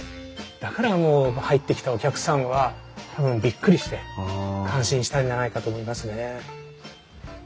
だから入ってきたお客さんは多分びっくりして感心したんじゃないかと思いますね。